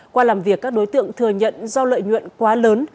qua làm việc các đối tượng thừa nhận do lợi nhuận quá lớn